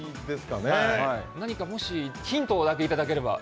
何かもしヒントだけいただければ。